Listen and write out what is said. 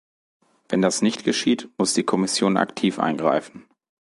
Wenn das nicht geschieht, muss die Kommission aktiv eingreifen.